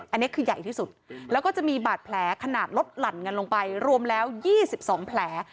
อันนี้คือใหญ่ที่สุดแล้วก็จะมีบาดแผลขนาดลดหลั่นกันลงไปรวมแล้ว๒๒แผล